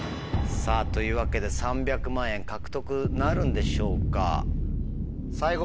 さぁというわけで３００万円獲得なるんでしょうか？